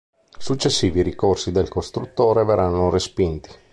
Successivi ricorsi del costruttore verranno respinti.